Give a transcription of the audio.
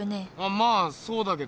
まあそうだけど。